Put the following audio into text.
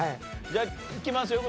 じゃあいきますよ